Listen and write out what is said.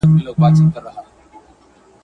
ورک سم په هینداره کي له ځان سره.